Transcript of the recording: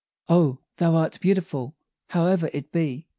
Oh, thou art beautiful, howe'er it be!